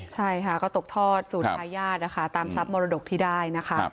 ใช่ค่ะก็ตกทอดสู่ท้ายาดตามทรัพย์มรดกที่ได้